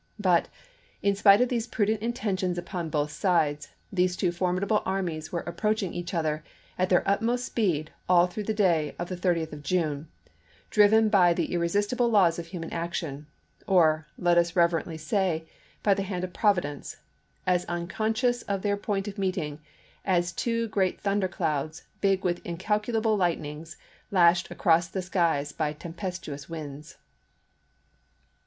But, in spite of these prudent intentions upon both sides, these two formidable armies were approach ing each other at their utmost speed all through the day of the 30th of June, driven by the irre sistible laws of human action — or, let us reverently say, by the hand of Providence — as unconscious of their point of meeting as two great thunder clouds, big with incalculable lightnings, lashed across the skies by tempestuous winds.